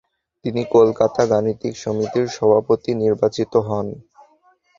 তিনি কলকাতা গাণিতিক সমিতির সভাপতি নির্বাচিত হন।